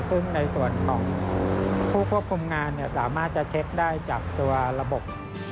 ซึ่งในส่วนของผู้ควบคุมงานสามารถจะเช็คได้จากตัวระบบ